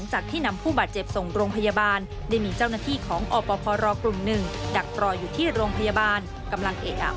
จำมือการส่งโรงพยาบาล